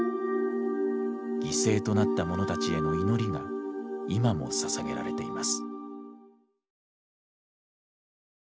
犠牲となった者たちへの祈りが今も捧げられています。